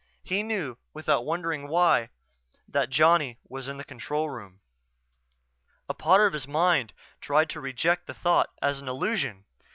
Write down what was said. He knew, without wondering why, that Johnny was in the control room. A part of his mind tried to reject the thought as an illusion.